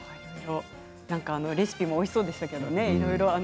レシピもおいしそうでしたけれどもね。